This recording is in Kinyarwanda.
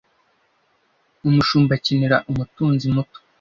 Umushumba akenera umutunzi muto